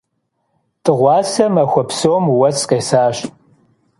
Dığuase maxue psom vues khêsaş.